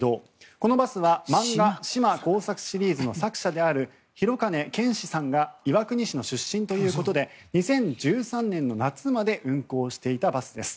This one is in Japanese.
このバスは漫画「島耕作シリーズ」の作者である弘兼憲史さんが岩国市の出身ということで２０１３年の夏まで運行していたバスです。